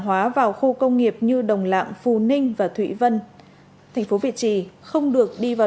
hóa vào khu công nghiệp như đồng lạng phù ninh và thụy vân thành phố việt trì không được đi vào